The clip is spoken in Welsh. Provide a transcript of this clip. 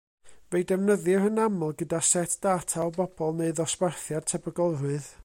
Fe'i defnyddir yn aml gyda set data o bobl neu ddosbarthiad tebygolrwydd.